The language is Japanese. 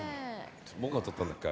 僕が撮ったんだっけ？